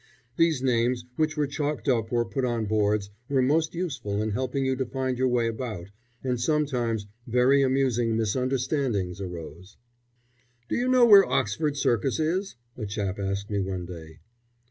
These names, which were chalked up or put on boards, were most useful in helping you to find your way about, and sometimes very amusing misunderstandings arose. "Do you know where Oxford Circus is?" a chap asked me one day.